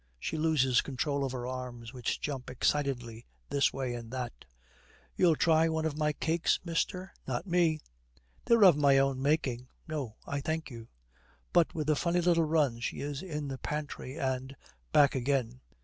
She loses control of her arms, which jump excitedly this way and that. 'You'll try one of my cakes, mister?' 'Not me.' 'They're of my own making.' 'No, I thank you.' But with a funny little run she is in the pantry and back again.